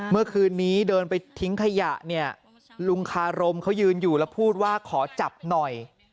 เมื่อคืนนี้เดินไปทิ้งขยะเนี่ยลุงคารมเขายืนอยู่แล้วพูดว่าขอจับหน่อย